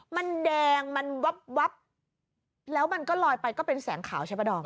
มันแดงมันวับแล้วมันก็ลอยไปก็เป็นแสงขาวใช่ปะดอม